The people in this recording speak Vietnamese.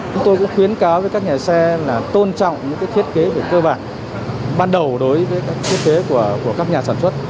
chúng tôi cũng khuyến cáo với các nhà xe là tôn trọng những thiết kế về cơ bản ban đầu đối với các thiết kế của các nhà sản xuất